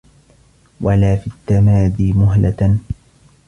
وَلَا فِي التَّمَادِي مُهْلَةً